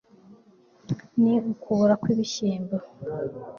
Ni ukubora nkibishyimbo